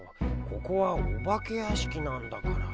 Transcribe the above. ここはお化け屋敷なんだから。